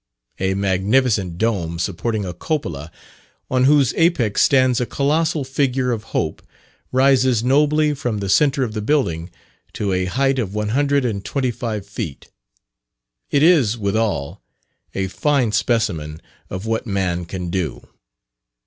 A magnificent dome, supporting a cupola, on whose apex stands a colossal figure of Hope, rises nobly from the centre of the building to a height of one hundred and twenty five feet. It is, withal, a fine specimen of what man can do.